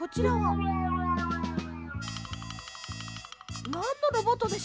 なんのロボットでしょうか？